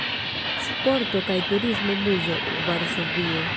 Sporto kaj Turismo-Muzo, Varsovio.